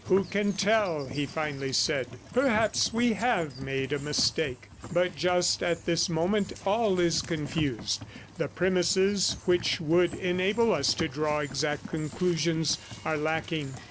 "Who can tell?" he finally said. "Perhaps we have made a mistake. But just at this moment all is confused; the premises which would enable us to draw exact conclusions are lacking.